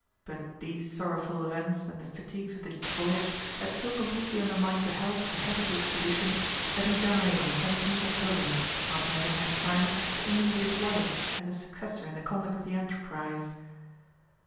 But these sorrowful events and the fatigues of the voyage had so completely undermined the health of the head of the expedition, that he died on the 17th October, after having had time to indicate his wife as his successor in the conduct of the enterprise.